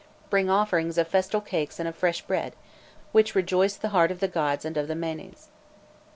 Bring offerings of festal cakes and of fresh bread, which rejoice the heart of the gods and of the manes.